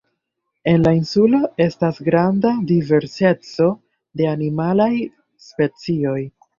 En la insulo, estas granda diverseco de animalaj specioj.